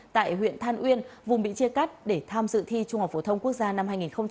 tại huyện than uyên vùng bị chia cắt để tham dự thi trung học phổ thông quốc gia năm hai nghìn một mươi tám